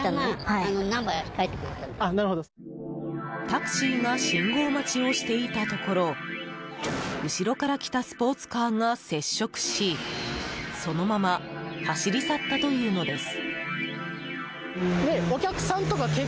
タクシーが信号待ちをしていたところ後ろから来たスポーツカーが接触しそのまま走り去ったというのです。